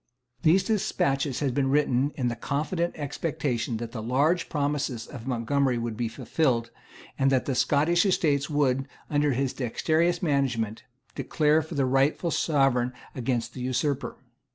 These despatches had been written in the confident expectation that the large promises of Montgomery would be fulfilled, and that the Scottish Estates would, under his dexterous management, declare for the rightful Sovereign against the Usurper.